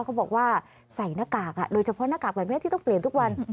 เขาบอกว่าใส่หน้ากากโดยเฉพาะหน้ากากแบบนี้ที่ต้องเปลี่ยนทุกวัน